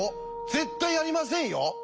絶対やりませんよ！